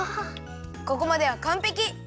ここまではかんぺき！